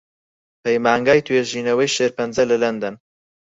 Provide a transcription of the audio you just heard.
پەیمانگای توێژینەوەی شێرپەنجە لە لەندەن